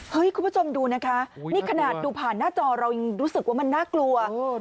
คุณผู้ชมดูนะคะนี่ขนาดดูผ่านหน้าจอเรายังรู้สึกว่ามันน่ากลัว